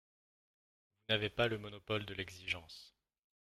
Vous n’avez pas le monopole de l’exigence